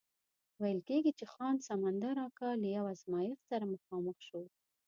ویل کېږي چې خان سمندر اکا له یو ازمایښت سره مخامخ شو.